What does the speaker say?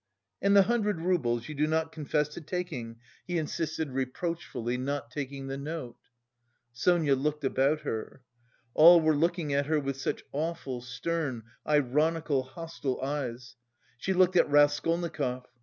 "And the hundred roubles you do not confess to taking?" he insisted reproachfully, not taking the note. Sonia looked about her. All were looking at her with such awful, stern, ironical, hostile eyes. She looked at Raskolnikov...